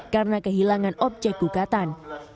karena kehilangan objek gugatan